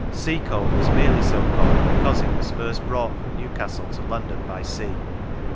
(Sea coal was merely so called because it was first brought from Newcastle to London by sea.)